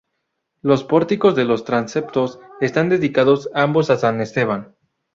Los pórticos de los transeptos están dedicados ambos a San Esteban.